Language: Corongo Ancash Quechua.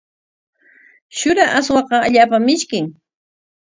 Shura aswaqa allaapam mishkin.